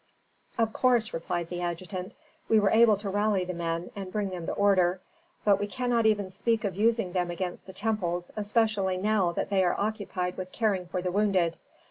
"Of course," replied the adjutant, "we were able to rally the men and bring them to order. But we cannot even speak of using them against the temples, especially now when they are occupied with caring for the wounded.